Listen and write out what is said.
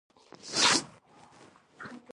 په دې موده کې منفي بدلونونو دا هرڅه اپوټه کړل